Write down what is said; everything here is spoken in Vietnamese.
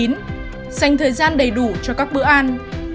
dành thời gian đầy đủ cho các bữa ăn